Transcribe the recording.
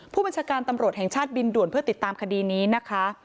ผู้บัญชาการตำรวจแห่งชาติบินด่วนเพื่อติดตามคดีนี้นะคะ